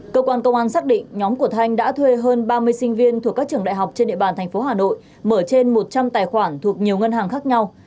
cơ quan công an xác định nhóm của thanh đã thuê hơn ba mươi sinh viên thuộc các trường đại học trên địa bàn tp hà nội mở trên một trăm linh tài khoản thuộc nhiều ngân hàng khác nhau